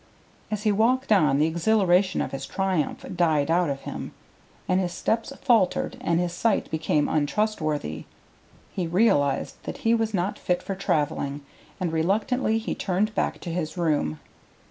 As he walked on, the exhilaration of his triumph died out of him, and his steps faltered and his sight became untrustworthy. He realized that he was not fit for travelling, and reluctantly he turned back to his room.